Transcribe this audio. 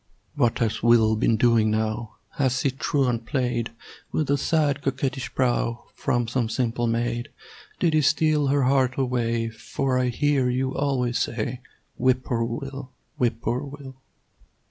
What has Will been doing now? Has he truant played With a sad, coquettish brow From some simple maid? Did he steal her heart away? For I hear you always say "Whip poor Will! Whip poor Will!"